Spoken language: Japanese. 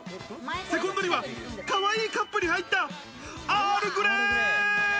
セコンドにはかわいいカップに入ったアールグレイ。